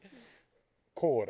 コーラ！